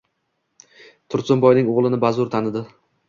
Tursunboyning o‘g‘lini bazo‘r tanidi.